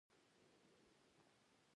دویم شریک به د خرڅلاو لپاره مالونه لېږدول